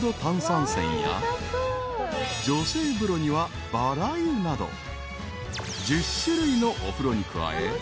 ［女性風呂にはバラ湯など１０種類のお風呂に加え］